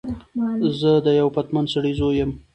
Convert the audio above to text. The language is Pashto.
زه د یوه پتمن سړی زوی یم.